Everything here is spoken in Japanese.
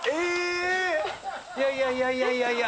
いやいやいやいやいやいや。